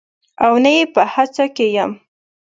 او نه یې په هڅه کې یم